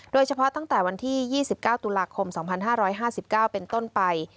โดยเฉพาะตั้งแต่วันที่๒๙ตุลาคม๒๕๕๙เป็นต้นไป